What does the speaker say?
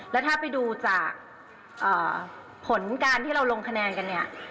แล้วถ้าไปดูจากผลการที่เราลงคะแนนกันเนี่ย